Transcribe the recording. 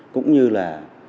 cũng như là